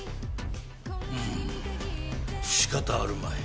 うんしかたあるまい。